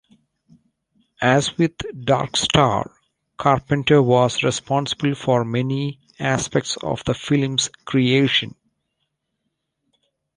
As with "Dark Star", Carpenter was responsible for many aspects of the film's creation.